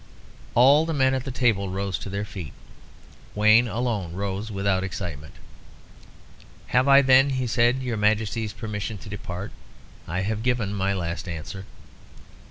All the men at the table rose to their feet; Wayne alone rose without excitement. "Have I, then," he said, "your Majesty's permission to depart? I have given my last answer."